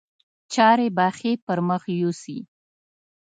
چارې به ښې پر مخ یوسي.